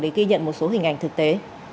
để ghi nhận một số hình ảnh thực tế